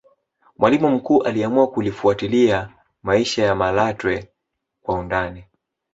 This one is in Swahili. mwalimu mkuu aliamua kulifuatilia maisha ya malatwe kwa undani